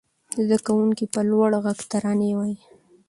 زده کوونکي په لوړ غږ ترانې وايي.